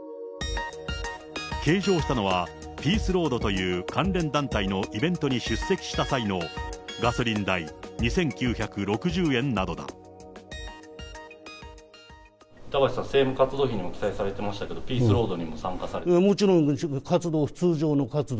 計上したのは、ピースロードという関連団体のイベントに出席した際のガソリン代板橋さん、政務活動費にも記載されていましたけれども、もちろん、活動、通常の活動。